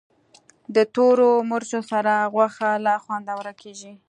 د تورو مرچو سره غوښه لا خوندوره کېږي.